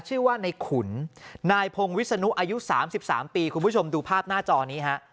ชื่อว่าในขุนนายพงวิศนุอายุ๓๓ปีคุณผู้ชมดูภาพหน้าจอนี้ฮะ